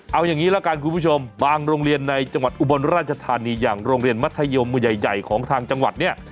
เอาอย่างนี้ละกันคุณผู้ชมบางโรงเรียนในจังหวัดอุบลราชธานีอย่างโรงเรียนมัธยมใหญ่ของทางจังหวัดเนี่ย